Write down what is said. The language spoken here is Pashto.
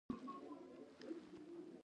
زړه یې د روسانو په مرستو پورې تړلی وو.